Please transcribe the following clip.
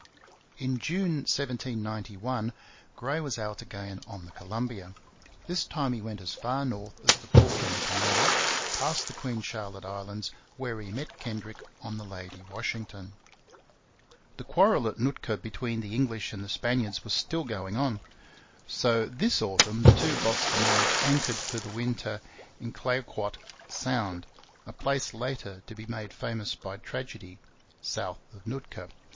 In June 1791 Gray was out again on the Columbia. This time he went as far north as the Portland Canal, past the Queen Charlotte Islands, where he met Kendrick on the Lady Washington. The quarrel at Nootka between the English and the Spaniards was still going on; so this autumn the two 'Bostonnais' anchored for the winter in Clayoquot Sound a place later to be made famous by tragedy south of Nootka.